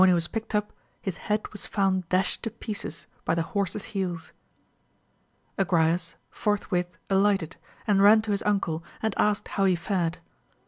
he was picked up his head was found dashed to pieces by the horse's heels. Agrayes forthwith alighted, and ran to his uncle, and asked how he fared.